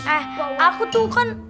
eh aku tuh kan